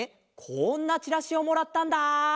こんなチラシをもらったんだ！